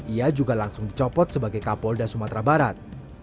ia juga langsung dicopot sebagai kapolda sumatera barat